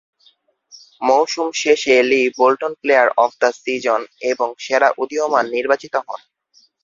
মৌসুম শেষে Lee Bolton player of the season এবং সেরা উদীয়মান নির্বাচিত হন।